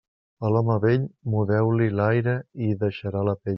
A l'home vell, mudeu-li l'aire i hi deixarà la pell.